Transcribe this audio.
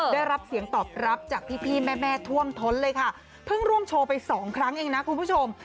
ได้รับเสียงตอบรับจากพี่แม่ท่วมท้นเลยค่ะเพิ่งร่วมโชว์ไปสองครั้งเองนะคุณผู้ชม